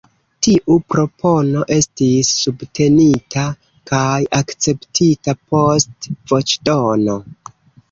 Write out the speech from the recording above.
Tiu propono estis subtenita kaj akceptita post voĉdono.